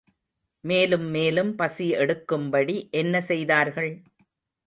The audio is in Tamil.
மேலும் மேலும் பசி எடுக்கும்படி என்ன செய்தார்கள்?